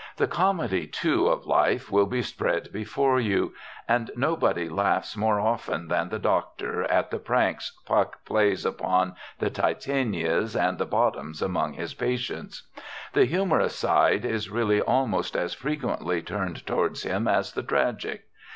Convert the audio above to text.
The comedy, too, of life will be spread before you, and nobody laughs more often than the doctor at the pranks Puck plays upon the Titanias and the Bottoms among his patients. The humorous side is really almost as frequently turned towards him as the tragic.